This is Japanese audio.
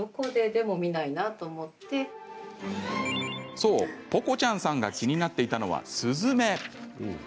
そう、ぽこちゃんさんが気になっていたのはスズメ。